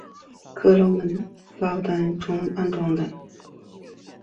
科隆号配备有八门单座安装的。